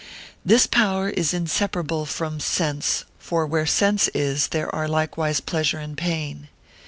This power is inseparable from sense, for where sense is, there are likewise pleasure and pain.